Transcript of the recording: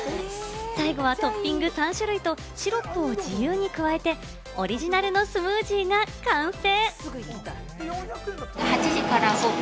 最後はトッピング３種類とシロップを自由に加えて、オリジナルのスムージーが完成。